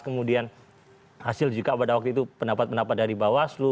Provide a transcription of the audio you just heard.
kemudian hasil juga pada waktu itu pendapat pendapat dari bawaslu